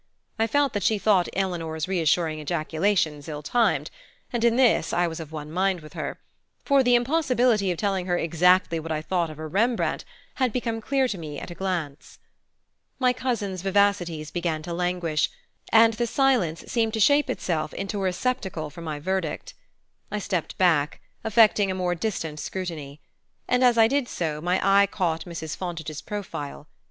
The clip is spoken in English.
I felt that she thought Eleanor's reassuring ejaculations ill timed; and in this I was of one mind with her; for the impossibility of telling her exactly what I thought of her Rembrandt had become clear to me at a glance. My cousin's vivacities began to languish and the silence seemed to shape itself into a receptacle for my verdict. I stepped back, affecting a more distant scrutiny; and as I did so my eye caught Mrs. Fontage's profile.